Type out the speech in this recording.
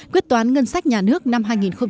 quyết toán ngân sách nhà nước năm hai nghìn một mươi bảy